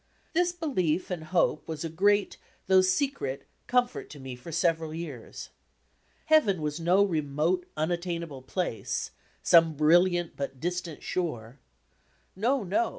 This belief and hope was a great, though secret, comfort to me for several years. Heaven was no remote, unattainable place "some bril liant but distant shore." No, no!